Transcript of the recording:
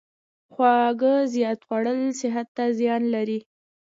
خواږه زیات خوړل صحت ته زیان لري.